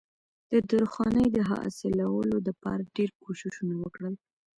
د درخانۍ د حاصلولو د پاره ډېر کوششونه وکړل